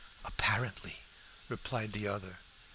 "Apparently!" replied the other.